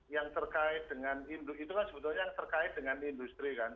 yang terkait dengan induk itu kan sebetulnya yang terkait dengan industri kan